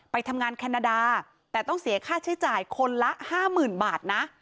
ไปทำงานแคนาดาแต่ต้องเสียค่าใช้จ่ายคนละห้าหมื่นบาทนะ